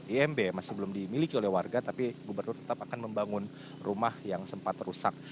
imb masih belum dimiliki oleh warga tapi gubernur tetap akan membangun rumah yang sempat rusak